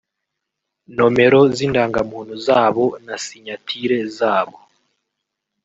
nomero z’indangamuntu zabo na sinyatire zabo